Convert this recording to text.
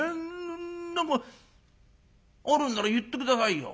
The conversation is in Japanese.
何かあるんなら言って下さいよ」。